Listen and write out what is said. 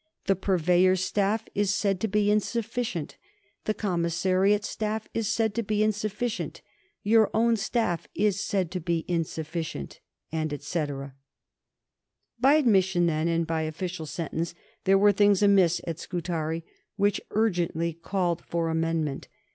The Purveyor's staff is said to be insufficient. The Commissariat staff is said to be insufficient, your own staff is said to be insufficient," etc. By admission, then, and by official sentence, there were things amiss at Scutari which urgently called for amendment.